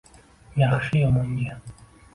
Yaxshi-yomonga